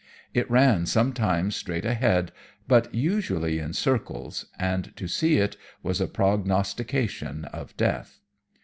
It ran sometimes straight ahead, but usually in circles, and to see it was a prognostication of death.